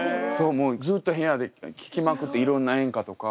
もうずっと部屋で聴きまくっていろんな演歌とか。